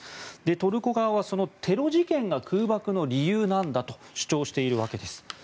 トルコ側はテロ事件が空爆の理由なんだと主張しているわけです。